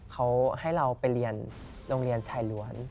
เขาให้เราไปเรียนโรงเรียนชายล้วน